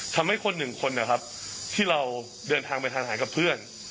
ทำให้คนหนึ่งคนนะครับที่เราเดินทางไปทานอาหารกับเพื่อน